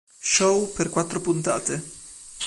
Show" per quattro puntate.